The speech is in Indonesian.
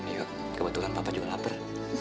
yuk kebetulan papa juga lapar